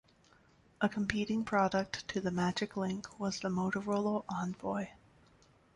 A competing product to the Magic Link was the Motorola Envoy.